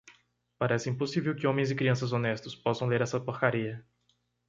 Parece impossível que homens e crianças honestos possam ler essa porcaria.